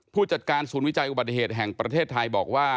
ผู้จัดการศูนย์วิจัยอุบัติเหตุแห่งประเทศไทยบอกว่า